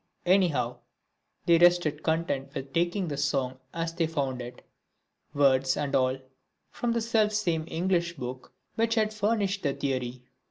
Anyhow they rested content with taking the song as they found it, words and all, from the self same English book which had furnished the theory.